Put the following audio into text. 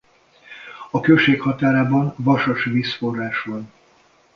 A község határában vasas vízforrás van.